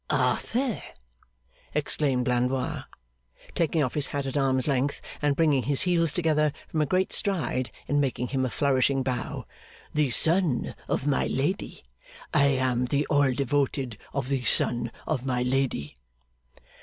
'Arthur?' exclaimed Blandois, taking off his hat at arm's length, and bringing his heels together from a great stride in making him a flourishing bow. 'The son of my lady? I am the all devoted of the son of my lady!